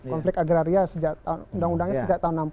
konflik agraria sejak tahun undang undangnya sejak tahun enam puluh